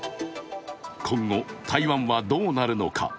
今後、台湾はどうなるのか。